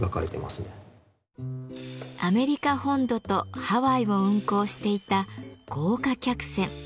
アメリカ本土とハワイを運航していた豪華客船。